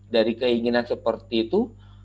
dari keinginan seperti itu